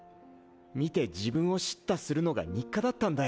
見て自分を叱咤するのが日課だったんだよ。